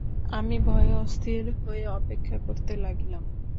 আমি ভয়ে অস্থির হয়ে অপেক্ষা করতে লাগিলাম।